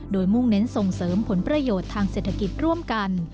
โดยมุ่งเน้นส่งเสริมผลประโยชน์ทางเศรษฐกิจร่วมกัน